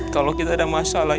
kalau kita ada masalah